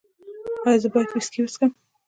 ایا زه باید ویسکي وڅښم؟